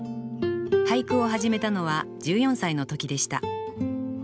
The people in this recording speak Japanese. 俳句を始めたのは１４歳の時でした。